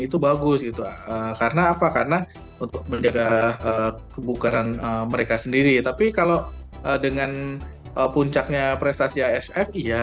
itu bagus gitu karena apa karena untuk menjaga kebukaran mereka sendiri tapi kalau dengan puncaknya prestasi affi ya